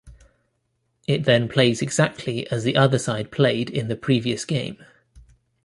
It then plays exactly as the other side played in the previous game.